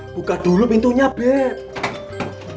buka dulu pintunya beb